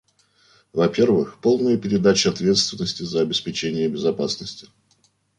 Во-первых, полная передача ответственности за обеспечение безопасности.